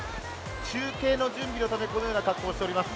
中継の準備のためにこのような格好をしております。